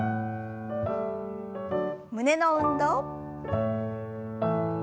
胸の運動。